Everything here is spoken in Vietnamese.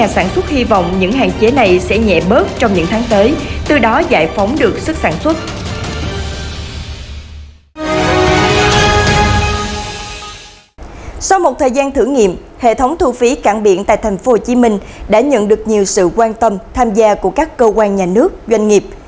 sau một thời gian thử nghiệm hệ thống thu phí cảng biển tại tp hcm đã nhận được nhiều sự quan tâm tham gia của các cơ quan nhà nước doanh nghiệp